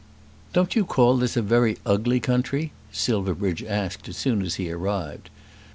"Don't you call this a very ugly country?" Silverbridge asked as soon as he arrived.